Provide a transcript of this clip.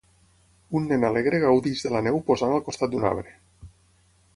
Un nen alegre gaudeix de la neu posant al costat d'un arbre.